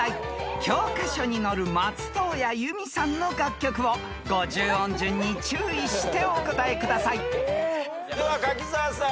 ［教科書に載る松任谷由実さんの楽曲を５０音順に注意してお答えください］では柿澤さん。